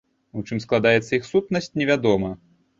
У чым складаецца іх сутнасць, невядома.